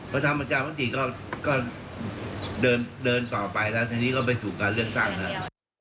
ประชามติก็เดินต่อไปแล้วทีนี้ก็ไปสู่การเลือกตั้งครับ